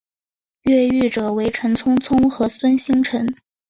越狱者为陈聪聪和孙星辰。